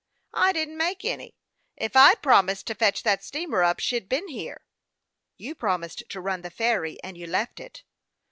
" I didn't make any. If I'd promised to fetch that steamer up, she'd been here." " You promised to run the ferry, and you left it."